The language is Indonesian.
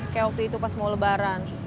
kayak waktu itu pas mau lebaran